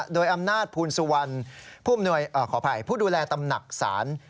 โดยอำนาจภูลสุวรรณขออภัยผู้ดูแลตำหนักศาล